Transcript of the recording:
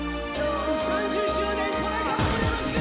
３０周年これからもよろしく！